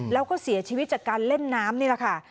แล้วก็เสียชีวิตจากการเล่นน้ำนี่แหละค่ะ